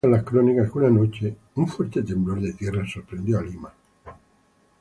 Cuentan las crónicas que una noche un fuerte temblor de tierra sorprendió a Lima.